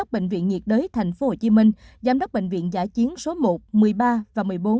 bệnh viện nhiệt đới thành phố hồ chí minh giám đốc bệnh viện giả chiến số một một mươi ba và một mươi bốn